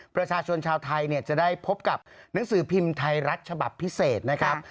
ประชาชนชาวไทยเนี่ยจะได้พบกับหนังสือพิมพ์ไทยรัฐฉบับพิเศษนะครับ